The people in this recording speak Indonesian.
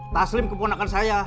taslim keponakan saya